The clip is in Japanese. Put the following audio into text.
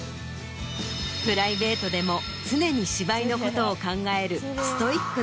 プライベートでも常に芝居のことを考える。